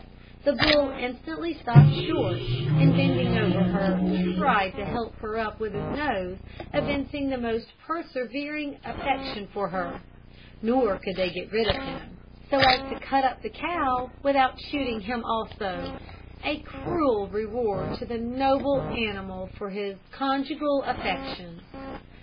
The bull instantly stopped short, and bending over her, tried to help her up with his nose, evincing the most persevering affection for her; nor could they get rid of him, so as to cut up the cow, without shooting him also a cruel reward to the noble animal for his conjugal affection.